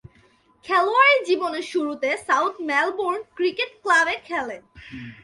খেলোয়াড়ী জীবনের শুরুতে সাউথ মেলবোর্ন ক্রিকেট ক্লাবে খেলেন।